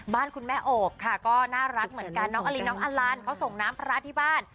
บ้านคุณแม่โอบค่ะก็น่ารักเหมือนกันน้องอลินน้องอลันเขาส่งน้ำพระที่บ้าน